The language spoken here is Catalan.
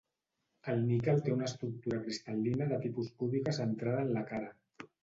El níquel té una estructura cristal·lina de tipus cúbica centrada en la cara.